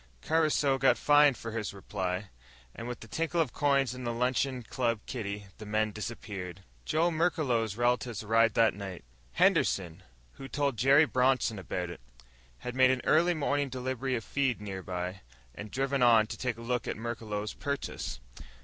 Caruso got fined for his reply, and with the tinkle of coins in the luncheon club kitty the men dispersed. Joe Merklos' relatives arrived that night. Henderson, who told Jerry Bronson about it, had made an early morning delivery of feed nearby, and driven on to take a look at Merklos' purchase.